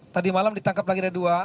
tadi malam ditangkap lagi ada dua